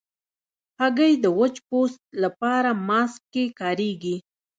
هګۍ د وچ پوست لپاره ماسک کې کارېږي.